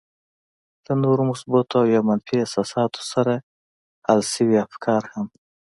له نورو مثبتو او يا منفي احساساتو سره حل شوي افکار هم.